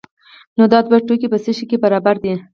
نو دا دوه توکي په څه شي کې برابر دي؟